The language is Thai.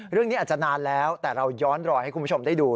เรื่องนี้อาจจะนานแล้วแต่เราย้อนรอยให้คุณผู้ชมได้ดู